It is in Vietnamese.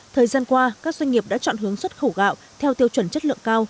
thời gian qua các doanh nghiệp đã chọn hướng xuất khẩu gạo theo tiêu chuẩn chất lượng cao